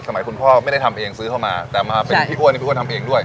คุณพ่อไม่ได้ทำเองซื้อเข้ามาแต่มาเป็นพี่อ้วนนี่พี่อ้วนทำเองด้วย